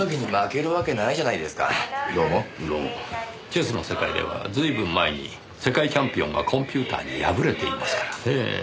チェスの世界では随分前に世界チャンピオンがコンピューターに敗れていますからねぇ。